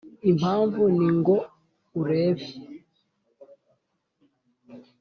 impamvu ni ngo urebe!